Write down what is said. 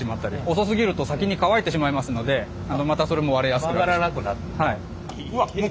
遅すぎると先に乾いてしまいますのでまたそれも割れやすくなってしまう。